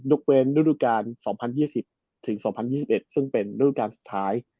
โรคเวงโรคลูกการ๒๐๒๐ถึง๒๐๒๑ซึ่งเป็นโรคลูกการสุดท้าย